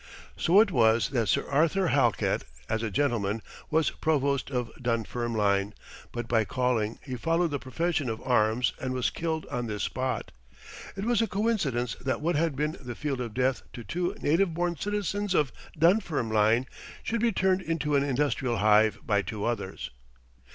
So it was that Sir Arthur Halkett, as a gentleman, was Provost of Dunfermline, but by calling he followed the profession of arms and was killed on this spot. It was a coincidence that what had been the field of death to two native born citizens of Dunfermline should be turned into an industrial hive by two others.